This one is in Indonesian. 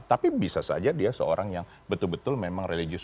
tapi bisa saja dia seorang yang betul betul memang religius